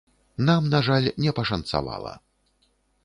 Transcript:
Нам, на жаль, не пашанцавала.